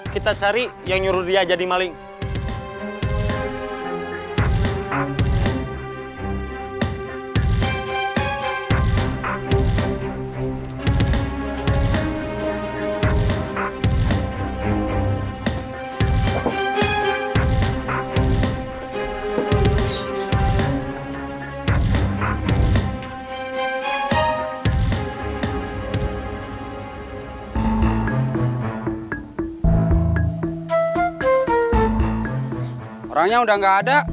kita cari yang nyuruh dia jadi maling